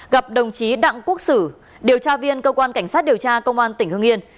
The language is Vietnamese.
gặp đồng chí đặng quốc sử điều tra viên cơ quan cảnh sát điều tra công an tỉnh hương yên